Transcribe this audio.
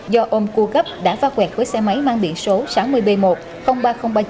do ôm cua gấp đã va quẹt với xe máy mang biện số sáu mươi b một ba nghìn ba mươi chín